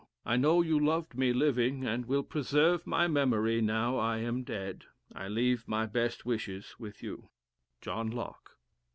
I know you loved me living, and will preserve my memory now I am dead. I leave my best wishes with you. "John Locke."